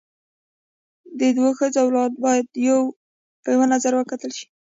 د دوو ښځو اولاده باید په یوه نظر وکتل سي.